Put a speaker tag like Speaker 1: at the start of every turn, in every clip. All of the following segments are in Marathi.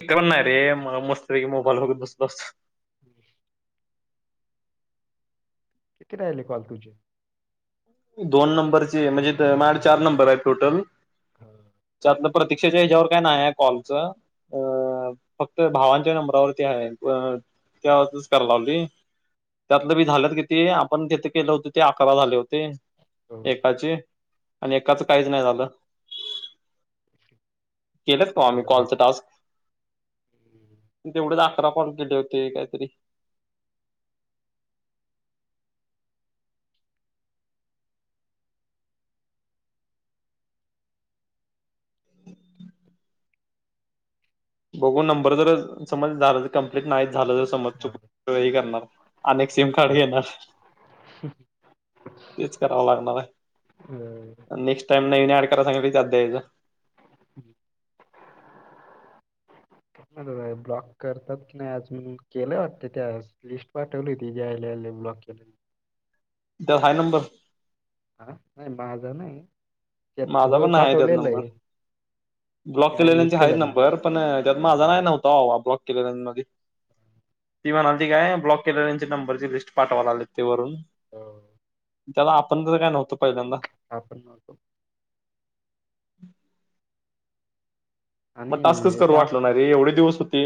Speaker 1: ते पण नाही रे म मस्त पैकी मोबाईल बघत बसलो असतो.
Speaker 2: [inaudible] किती राहिले कॉल तुझे?
Speaker 1: दोन नंबरचे म्हणजे माड चार नंबर आहेत टोटल
Speaker 2: [inaudible]
Speaker 1: त्यातल प्रतीक्षेच्या ह्याच्यावर काय नाहीये कॉलच. अ फक्त भावांच्या नंबरा वरती आहे त्या वरच करा लावली. त्यातल बी झालत किती आपण तिथे केल होत ते अकरा झाले होते
Speaker 2: हो,
Speaker 1: एकाची आणि एकाच काहीच नाही झाल. केलच का
Speaker 2: सगळे
Speaker 1: आम्ही
Speaker 2: जरा
Speaker 1: कॉलच टास्क तुला अकरा कॉल केले होते काइतरी बघू नंबर जर समज जाल तर कमप्लीट नाही जाल तर समज
Speaker 2: हा,
Speaker 1: चुक तो ही करणार अनेक सिम कार्ड
Speaker 2: का?
Speaker 1: घेणार तेच कराव लागणार आहे.
Speaker 2: [unintelligible]
Speaker 1: नेक्स्ट टाइम नवीन ऍड करा सांगितलं की त्यात द्यायचं.
Speaker 2: [inaudible]
Speaker 1: [inaudible]
Speaker 2: दादा ब्लॉक करतात की नाही अजून केल वाटत ते आज लिस्ट पाठवली ती जायले की ब्लॉक केलं.
Speaker 1: दहा नंबर?
Speaker 2: हा नाही माझ नाही त्यात
Speaker 1: माझा
Speaker 2: हो
Speaker 1: पण आहे त्यात
Speaker 2: पाठवलेल
Speaker 1: नंबर
Speaker 2: आहे.
Speaker 1: ब्लॉक केलेल्या चे
Speaker 2: इतकं
Speaker 1: आहे
Speaker 2: जण
Speaker 1: नंबर पण त्यात माझा नाही नव्हता ब्लॉक केलेल्यांमधे ती म्हणाली ते काय ब्लॉक केलेल्याचे नंबरची लिस्ट पाठवा लागले ते वरून
Speaker 2: हो
Speaker 1: त्याला आपण तर काय नव्हतो पहिल्यांदा.
Speaker 2: आपण नव्हतो.
Speaker 1: [inaudible] मग टास्कच
Speaker 2: आणि
Speaker 1: करू
Speaker 2: टास्क
Speaker 1: वाटल नाई. अरे एवढे दिवस होते,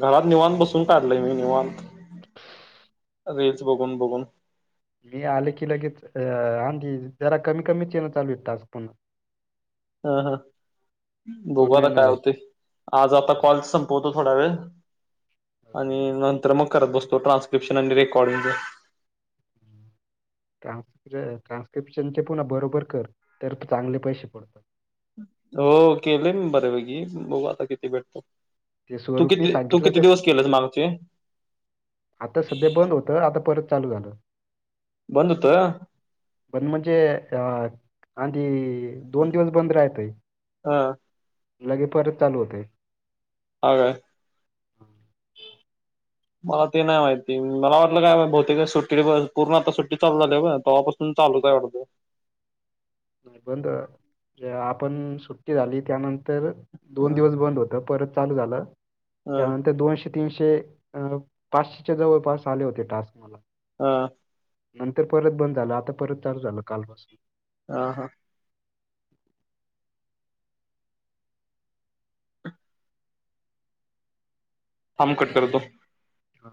Speaker 1: घरात निवांत बसून काढलय मी निवांत.
Speaker 2: [inaudible]
Speaker 1: रील्स बघून बघून.
Speaker 2: मी आले की लगेच आणधी जरा कमी कमीच येन चालू आहे टास्क पुन्हा.
Speaker 1: हा हा बघू
Speaker 2: पूर्ण
Speaker 1: आता काय
Speaker 2: नाही आहेत.
Speaker 1: होते. आज आता कॉल संपवतो थोडा वेळ आणि नंतर मग करत बसतो ट्रानस्क्रिप्शन आणि रेकॉर्डिंगच.
Speaker 2: ट्रान्स ट्रान्स्क्रिप्शन चे पुन्हा बरोबर कर, तर चांगले पैशे पडतात.
Speaker 1: हो केले मी बऱ्यापैकी, बघू आता किती भेटत्यात?
Speaker 2: ते
Speaker 1: तू
Speaker 2: स्वरूपनी
Speaker 1: किती तू
Speaker 2: सांगितलं
Speaker 1: किती
Speaker 2: तसं.
Speaker 1: दिवस केलेस मागचे?
Speaker 2: आता सध्या बंद होतं, आता परत चालू झालं.
Speaker 1: बंद होत?
Speaker 2: बंद म्हणजे आ आधी दोन दिवस बंद राहतेय.
Speaker 1: हा
Speaker 2: लगे परत चालू होतय.
Speaker 1: हा का
Speaker 2: हं.
Speaker 1: मला ते नाही माहिती मला वाटलं काय बहुतेक सुट्टी पूर्ण आता सुट्टी चालू झाली आहे वय तेव्हा पासु सून चालू काय वाटते.
Speaker 2: नाही बंद जे आपण सुट्टी झाली त्यानंत तर दोन
Speaker 1: ह
Speaker 2: दिवस बंद होत परत चालू झालं,
Speaker 1: ह
Speaker 2: त्यानंतर दोनशे तीनशे अ पाचशेच्या जवळपास आले होते टास्क मला.
Speaker 1: आ
Speaker 2: नंतर परत बंद झाल आता परत चालू झालं कालपासून.
Speaker 1: आ हा, थांब कट करतो.
Speaker 2: हा,